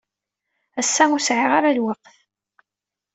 Ass-a, ur sɛiɣ ara lweqt.